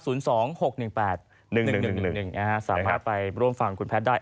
สามารถไปร่วมฟังคุณแพทย์ได้